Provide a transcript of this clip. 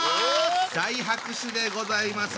大拍手でございます。